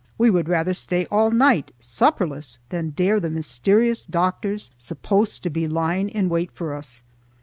We would rather stay all night supperless than dare the mysterious doctors supposed to be lying in wait for us.